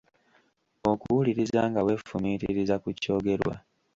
Okuwuliriza nga weefumiitiriza ku kyogerwa.